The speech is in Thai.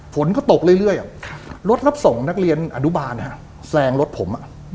ฝนก็ตกเรื่อยรถรับส่งนักเรียนอนุบาลแซงรถผม